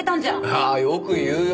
ああよく言うよ。